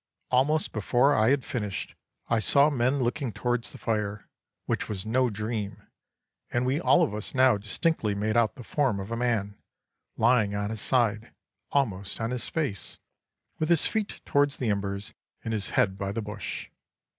"Almost before I had finished I saw men looking towards the fire, which was no dream, and we all of us now distinctly made out the form of a man, lying on his side, almost on his face, with his feet towards the embers and his head by the bush.